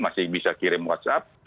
masih bisa kirim whatsapp